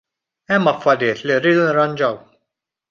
Hemm affarijiet li rridu nirranġaw.